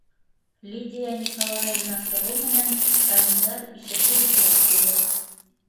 Лидия Николаевна сығыу менән санитар ишекте бикләп ҡуйҙы.